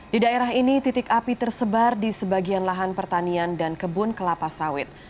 di daerah ini titik api tersebar di sebagian lahan pertanian dan kebun kelapa sawit